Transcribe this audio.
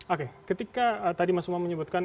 oke ketika tadi mas umam menyebutkan